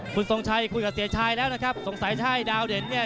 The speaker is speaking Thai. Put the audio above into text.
คุณทรงชัยคุยกับเสียชายแล้วนะครับสงสัยจะให้ดาวเด่นเนี่ย